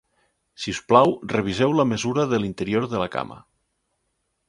Si us plau reviseu la mesura de l'interior de la cama